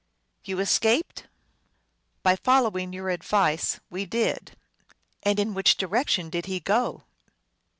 " You escaped ?"* By following your advice, we did." "And in which direction did he go